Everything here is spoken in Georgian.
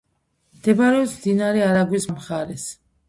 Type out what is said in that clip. მდებარეობს მდინარე არაგვის მარჯვენა მხარეს.